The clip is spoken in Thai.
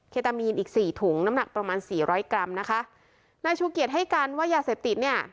ตามีนอีกสี่ถุงน้ำหนักประมาณสี่ร้อยกรัมนะคะนายชูเกียจให้การว่ายาเสพติดเนี่ย